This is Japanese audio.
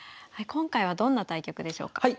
今回はどんな対局でしょうか。